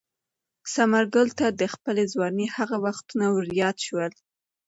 ثمرګل ته د خپلې ځوانۍ هغه وختونه وریاد شول.